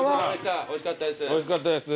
おいしかったです。